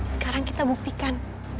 sekarang kita buktikan